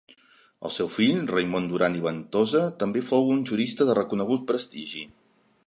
El seu fill, Raimon Duran i Ventosa, també fou un jurista de reconegut prestigi.